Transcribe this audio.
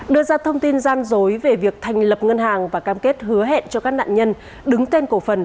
đưa ra thông tin gian dối về việc thành lập ngân hàng và cam kết hứa hẹn cho các nạn nhân đứng tên cổ phần